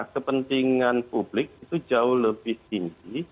kepentingan publik itu jauh lebih tinggi